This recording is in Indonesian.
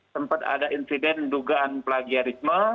sempat ada insiden dugaan plagiarisme